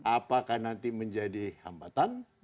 apakah nanti menjadi hambatan